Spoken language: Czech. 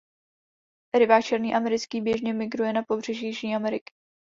Rybák černý americký běžně migruje na pobřeží Jižní Ameriky.